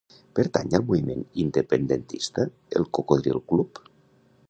Pertany al moviment independentista el Cocodril club?